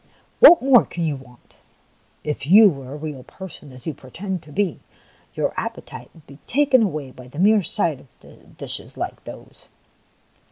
What more can you want ? If you were a real person, as you pretend to be, your appetite would be taken away by the mere sight of dishes like those